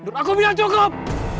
dur aku bilang cukup